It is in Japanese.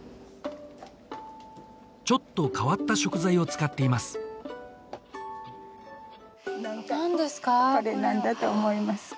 ちょっと変わった食材を使っています何ですか？